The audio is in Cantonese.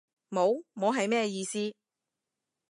冇？冇係咩意思？